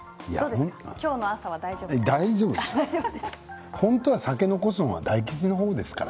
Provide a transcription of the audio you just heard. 今日の朝は大丈夫ですか？